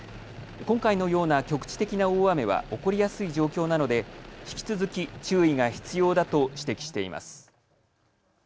今回のような局地的な大雨は起こりやすい状況なので引き続き注意が必要だと指摘しています。